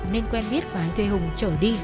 nên quen biết bà thuê hùng trở đi